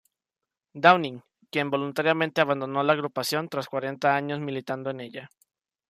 Downing, quien voluntariamente abandonó la agrupación tras cuarenta años militando en ella.